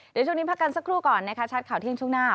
เดี๋ยวช่วงนี้พักกันสักครู่ก่อนนะคะชัดข่าวเที่ยงช่วงหน้า